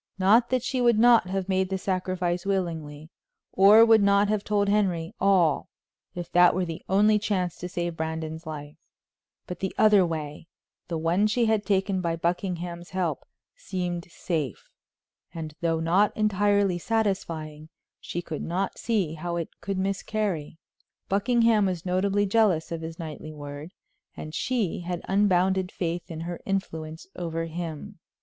Not that she would not have made the sacrifice willingly, or would not have told Henry all if that were the only chance to save Brandon's life, but the other way, the one she had taken by Buckingham's help, seemed safe, and, though not entirely satisfying, she could not see how it could miscarry. Buckingham was notably jealous of his knightly word, and she had unbounded faith in her influence over him.